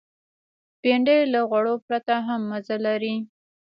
بېنډۍ له غوړو پرته هم مزه لري